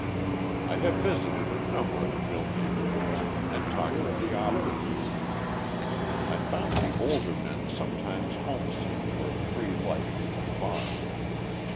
I have visited a number of mill neighbourhoods and talked with the operatives. I found the older men sometimes homesick for free life of the farm.